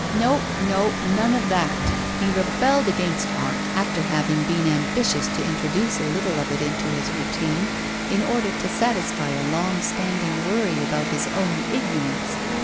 No, no, none of that! He rebelled against art, after having been ambitious to introduce a little of it into his routine, in order to satisfy a long standing worry about his own ignorance.